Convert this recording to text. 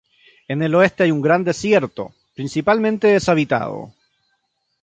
En el Oeste hay un gran desierto, principalmente deshabitado.